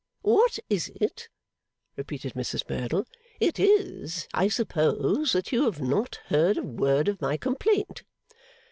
'What is it?' repeated Mrs Merdle. 'It is, I suppose, that you have not heard a word of my complaint.